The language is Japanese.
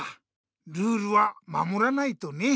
ルールはまもらないとね！